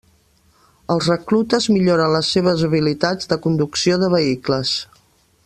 Els reclutes milloren les seves habilitats de conducció de vehicles.